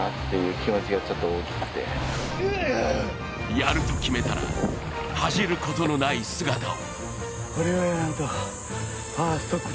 やると決めたら、恥じることのない姿を。